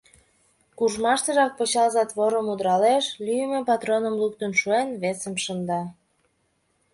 Куржмаштыжак пычал затворым удыралеш, лӱйымӧ патроным луктын шуэн, весым шында.